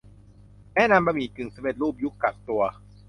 แนะนำบะหมี่กึ่งสำเร็จรูปยุคกักตัว